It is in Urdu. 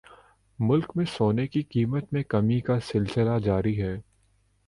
ملک میں سونے کی قیمت میں کمی کا سلسلہ جاری